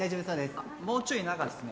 あっもうちょい中ですね。